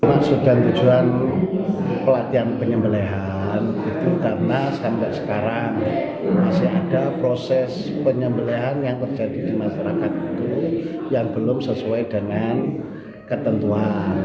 ada proses penyembelihan yang terjadi di masyarakat itu yang belum sesuai dengan ketentuan